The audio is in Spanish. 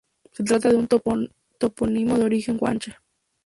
Se trata de un topónimo de origen guanche.